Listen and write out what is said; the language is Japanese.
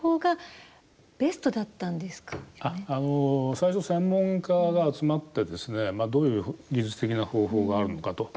最初、専門家が集まってどういう技術的な方法があるのかと。